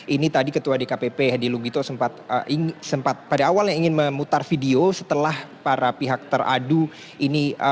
ini tadi ketua dkpp hadi lugito sempat pada awalnya ingin memutar video setelah para pihak teradu ini